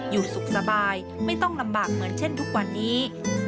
อยู่สุขสบายไม่ต้องลำบากเหมือนเช่นทุกวันนี้